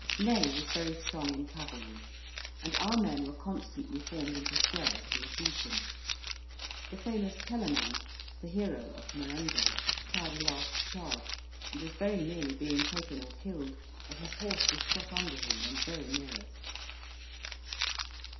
Ney was very strong in cavalry, and our men were constantly formed into squares to receive them. The famous Kellerman, the hero of Marengo, tried a last charge, and was very nearly being taken or killed, as his horse was shot under him when very near us.